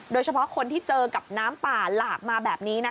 โดยเฉพาะคนที่เจอกับน้ำป่าหลากมาแบบนี้